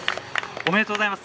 おめでとうございます。